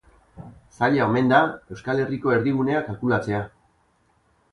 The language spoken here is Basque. Zaila omen da Euskal Herriko erdigunea kalkulatzea.